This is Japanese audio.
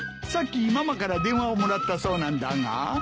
さっきママから電話をもらったそうなんだが。